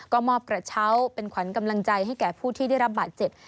ก็มอบกระเช้าเป็นขวัญกำลังใจให้แก่ผู้ที่ได้รับบาดเจ็บ